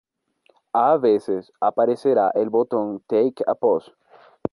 A veces, aparecerá el botón "Take a Pose".